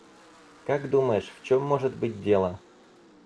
Как думаешь, в чём может быть дело?